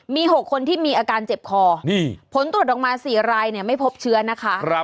มี๖คนที่มีอาการเจ็บคอผลตรวจออกมา๔รายไม่พบเชื้อนะคะ